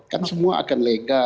kan semua akan lega